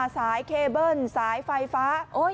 สายเคเบิ้ลสายไฟฟ้า